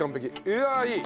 いやあいい！